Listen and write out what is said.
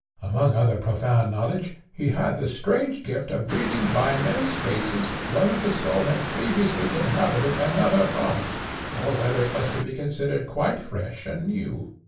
Among other profound knowledge, he had the strange gift of reading by men's faces whether the soul had previously inhabited another body, or whether it was to be considered quite fresh and new.